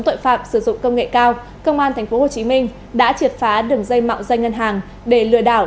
tội phạm sử dụng công nghệ cao công an tp hcm đã triệt phá đường dây mạo danh ngân hàng để lừa đảo